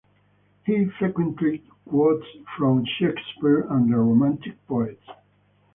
He frequently quotes from Shakespeare and the romantic poets.